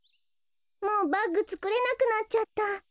もうバッグつくれなくなっちゃった。